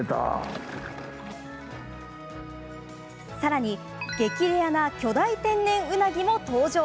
さらに、激レアな巨大天然ウナギも登場。